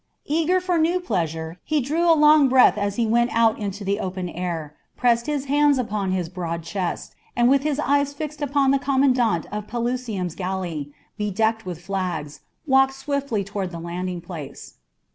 Eager for new pleasure, he drew a long breath as he went out into the open air, pressed his hands upon his broad chest, and with his eyes fixed upon the commandant of Pelusium's galley, bedecked with flags, walked swiftly toward the landing place.